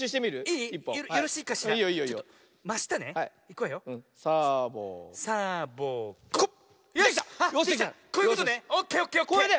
こういうことね！